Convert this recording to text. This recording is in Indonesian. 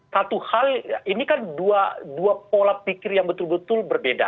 satu hal ini kan dua pola pikir yang betul betul berbeda